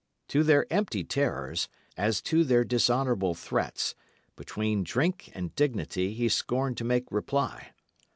To their empty terrors, as to their dishonourable threats, between drink and dignity he scorned to make reply.